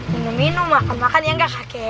minum minum makan makan yang nggak kakek